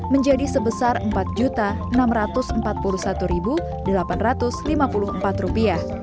menjadi sebesar rp empat enam ratus empat puluh satu delapan ratus lima puluh empat